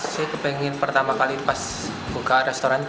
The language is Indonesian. saya kepengen pertama kali pas buka restoran